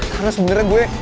karena sebenernya gue